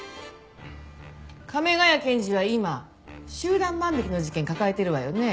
亀ヶ谷検事は今集団万引きの事件抱えてるわよね？